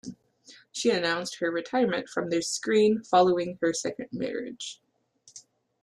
She announced her retirement from the screen following her second marriage.